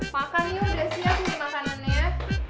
makan nih udah siap nih makanannya